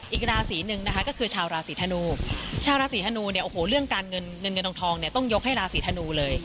อีกราศีหนึ่งนะคะก็คือชาวราศีธนูชาวราศีธนูเนี่ยโอ้โหเรื่องการเงินเงินทองเนี่ยต้องยกให้ราศีธนูเลย